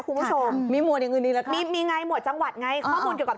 คุณผู้ชมมีหมวดอย่างอื่นอีกแล้วครับมีมีไงหมวดจังหวัดไงข้อมูลเกี่ยวกับ